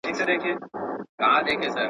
له نړۍ څخه يې بېل وه عادتونه.